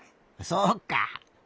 そっか。